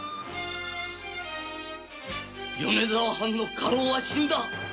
米沢藩の家老は死んだ！